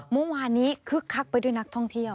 เมื่อวานนี้คึกคักไปด้วยนักท่องเที่ยว